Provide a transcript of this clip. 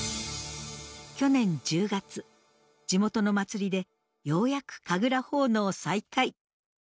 去年１０月地元のまつりでようやく神楽奉納再開。